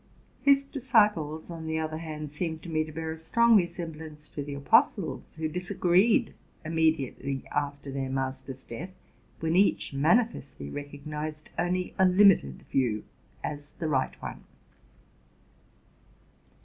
His disciples, on the other hand, seemed to me to bear a strong resemblance to the apostles, who disagreed immedi ately "after their Master's death, when each manifestly rec ognized only a limited view as the right one.